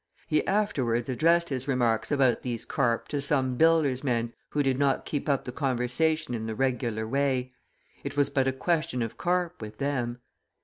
He afterwards addressed his remarks about these carp to some builder's men who did not keep up the conversation in the regular way; it was but a question of carp with them.